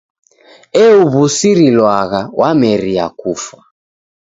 Euw'usirilwagha wameria kufwa!